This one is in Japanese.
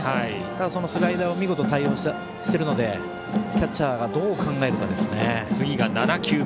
そのスライダーを見事、対応しているのでキャッチャーがどう考えるかですね。